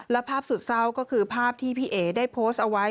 และภาพสุดเศร้าก็คือภาพที่พี่เอ๋ได้โพสต์เอาไว้